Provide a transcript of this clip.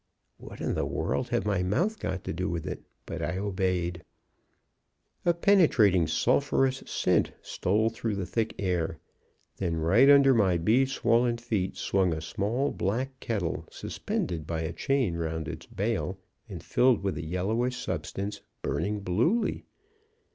"What in the world had my mouth got to do with it? But I obeyed. "A penetrating sulphurous scent stole through the thick air. Then right under my bee swollen feet swung a small black kettle, suspended by a chain round its bail, and filled with a yellowish substance, burning bluely.